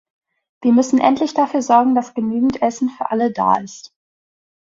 Wir müssen endlich dafür sorgen, dass genügend Essen für alle da ist.